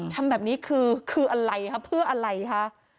ทำแบบนี้คืออะไรคะเพื่ออะไรคะ